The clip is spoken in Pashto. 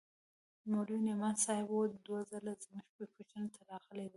مولوي نعماني صاحب دوه ځله زموږ پوښتنې ته راغلى دى.